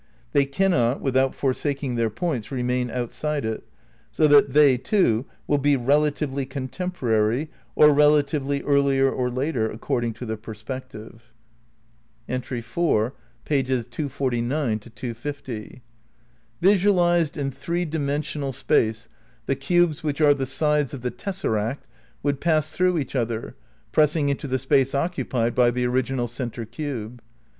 They cannot, without forsaking their points, remain outside it, so that they, too, will be relatively contemporary, or relatively earlier or later, according to the perspective. 318 APPENDIX IV Pages 249 250. Visualized in three dimensional space the cubes which are the sides of the tessaract would pass through each other, press ing into the space occupied by the original centre cube.